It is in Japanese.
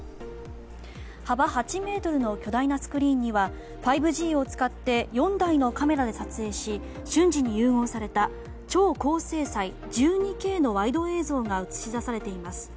幅８ｍの巨大なスクリーンには５Ｇを使って４台のカメラで撮影し瞬時に融合された超高精細１２ｋのワイド映像が映し出されています。